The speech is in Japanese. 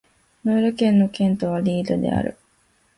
ノール県の県都はリールである